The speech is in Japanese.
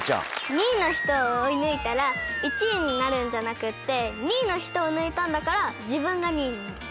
２位の人を追い抜いたら１位になるんじゃなくって２位の人を抜いたんだから自分が２位になる。